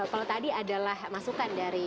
kalau tadi adalah masukan dari